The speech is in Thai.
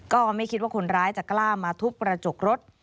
ก็ไม่คิดว่าคนร้ายจะกล้ามาทุบกระจกรถ